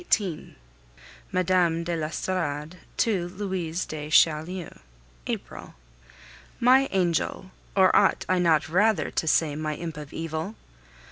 XVIII. MME. DE L'ESTORADE TO LOUISE DE CHAULIEU April. My angel or ought I not rather to say my imp of evil?